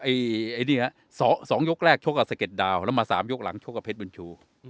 ไอ้ไอ้นี่ฮะสองสองยกแรกชกกับสะเก็ดดาวน์แล้วมาสามยกหลังชกกับเพชรบุญชู